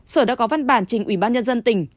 sở đã có văn bản trình ubnd tỉnh